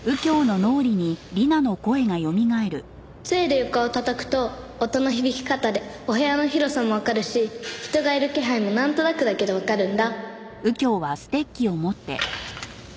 杖で床をたたくと音の響き方でお部屋の広さもわかるし人がいる気配もなんとなくだけどわかるんだ。